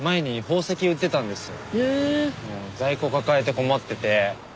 在庫抱えて困ってて。